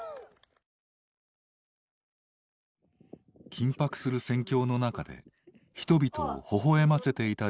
緊迫する戦況の中で人々をほほえませていた人物がいる。